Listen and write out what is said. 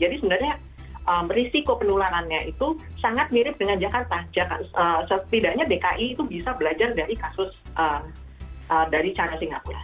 jadi sebenarnya risiko penularannya itu sangat mirip dengan jakarta setidaknya dki itu bisa belajar dari kasus dari cara singapura